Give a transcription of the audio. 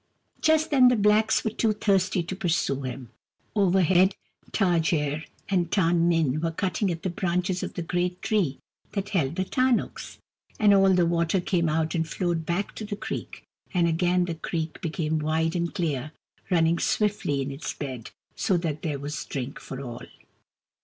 Just then the blacks were too thirsty to pursue him. Overhead, Ta jerr and Tarrn nin were cutting at the branches of the great tree that held the tarnuks ; and all the water came out and flowed back to the creek, and again the creek became wide and clear, running swiftly in its bed so that there was drink for all.